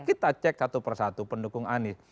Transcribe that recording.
kita cek satu persatu pendukung anies